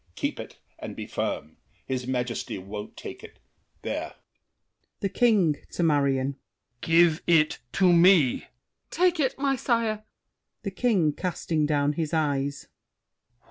Keep it, and be firm! His Majesty won't take it, there! THE KING (to Marion). Give it To me! MARION. Take it, my sire! THE KING (casting down his eyes).